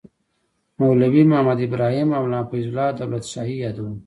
مولوي محمد ابراهیم او ملا فیض الله دولت شاهي یادوو.